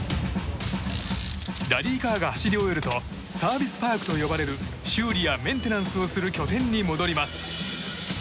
ラリーカーが走り終えるとサービスパークと呼ばれる修理やメンテナンスをする拠点に戻ります。